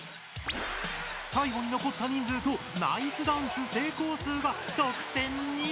最後に残った人数とナイスダンス成功数が得点に！